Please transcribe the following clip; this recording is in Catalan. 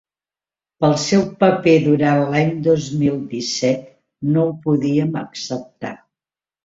Pel seu paper durant l’any dos mil disset no ho podíem acceptar.